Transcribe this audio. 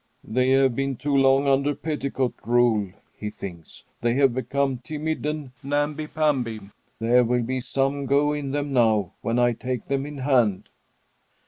"They have been too long under petticoat rule," he thinks. "They have become timid and namby pamby. There will be some go in them now, when I take them in hand."